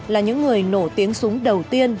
là những người nổ tiếng súng đầu tiên